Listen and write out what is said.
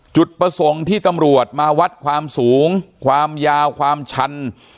จุดประสงค์ที่ตำรวจมาวัดความสูงความยาวความชัน